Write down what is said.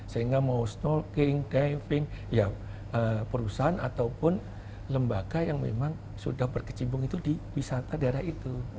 sehingga mau snorkeling diving ya perusahaan ataupun lembaga yang memang sudah berkecimpung itu di wisata daerah itu